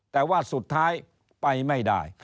แต่ว่าสุดท้ายไปไม่ได้